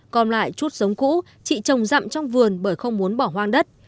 còn lại chút giống cũ chị trồng dặm trong vườn bởi không muốn bỏ hoang đất